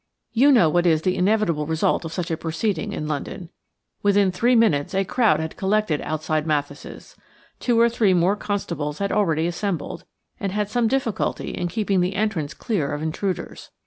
You know what is the inevitable result of such a proceeding in London. Within three minutes a crowd had collected outside Mathis'. Two or three more constables had already assembled, and had some difficulty in keeping the entrance clear of intruders.